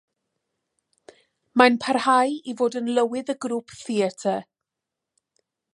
Mae'n parhau i fod yn Lywydd y grŵp theatr.